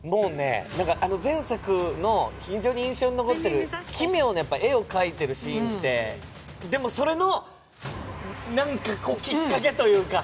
あの前作の非常に印象に残っている奇妙な絵を描いてるシーンってでも、それのきっかけというか。